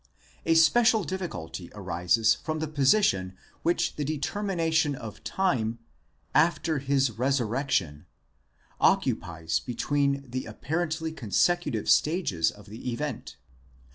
A special difficulty arises from the position which the determination of time: after his resurrection, μετὰ τὴν ἔγερσιν αὐτοῦ, occupies between the apparently consecutive stages of the event.